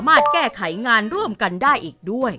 แม่แม่แม่แม่แม่แม่